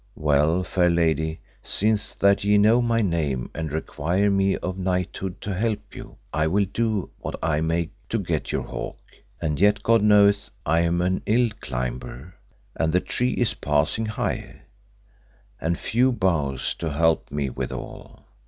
Well, fair lady, since that ye know my name, and require me of knighthood to help you, I will do what I may to get your hawk, and yet God knoweth I am an ill climber, and the tree is passing high, and few boughs to help me withal.